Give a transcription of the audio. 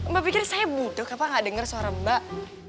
mbak pikir saya budok apa gak denger suara mbak